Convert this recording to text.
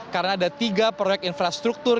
karena ada tiga proyek infrastruktur